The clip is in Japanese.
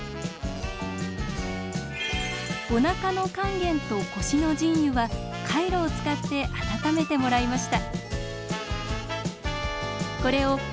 おなかの関元と腰の腎兪はカイロを使って温めてもらいました。